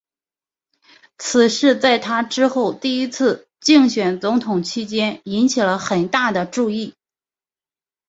此事在他之后第一次竞选总统期间引起了很大的注意。